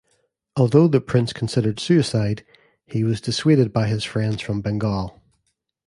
Although the prince considered suicide, he was dissuaded by his friends from Bengal.